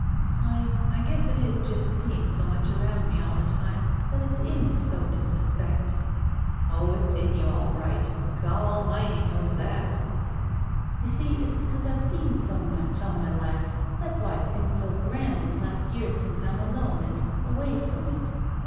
"I — I guess it is from seeing so much arotmd m6 all the time that it's in me so to suspect." "Oh, it's in you all right. Gawalmighty knows that!" "You see, it's because I've seen so much all my 121 THE VERTICAL CITY life. That's why it's been so grand these last years since I'm alone and — and away from it.